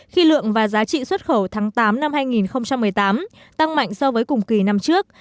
khi lượng và giá trị xuất khẩu tháng tám năm hai nghìn một mươi tám tăng mạnh so với cùng kỳ năm trước